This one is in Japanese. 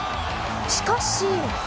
しかし。